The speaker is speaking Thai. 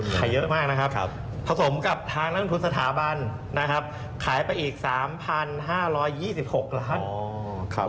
ขายเยอะมากนะครับผสมกับทางนักลงทุนสถาบันนะครับขายไปอีก๓๕๒๖ล้าน